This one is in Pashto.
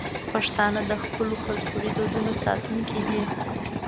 پښتانه د خپلو کلتوري دودونو ساتونکي دي.